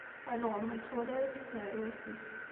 Alɣem ur yettwali ara tasaɛrurt-is.